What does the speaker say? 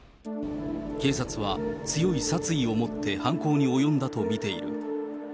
警察は、強い殺意を持って犯行に及んだと見ている。